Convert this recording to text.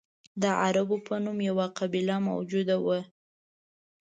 د عربو په نوم یوه قبیله موجوده وه.